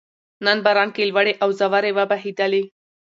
نن په باران کې لوړې او ځوړې وبهېدلې